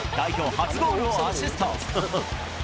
初ゴールをアシスト。